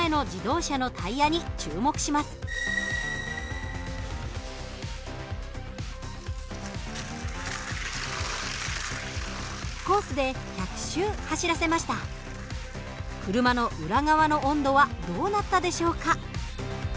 車の裏側の温度はどうなったでしょうか？